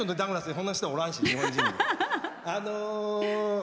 そんな人おらんし、日本人。